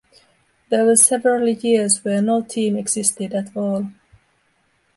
There were several years where no team existed at all.